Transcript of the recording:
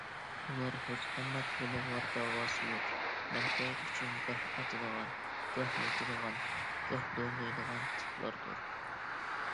ئۇلار ھېچقانداق ئۇلۇغۋار دەۋاسى يوق، مەنپەئەت ئۈچۈن گاھ ئاتىدىغان، گاھ ياتىدىغان، گاھ دوڭغىيىدىغان تىپلاردۇر.